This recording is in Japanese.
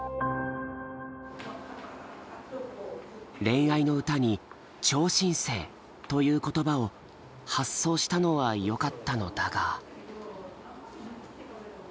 恋愛の歌に「超新星」という言葉を発想したのはよかったのだが。